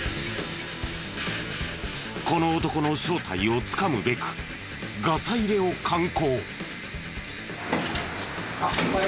この男の正体をつかむべくガサ入れを敢行。